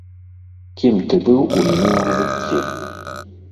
Кім ты быў у мінулым жыцці?